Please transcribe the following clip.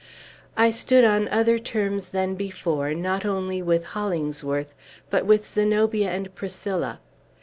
I stood on other terms than before, not only with Hollingsworth, but with Zenobia and Priscilla.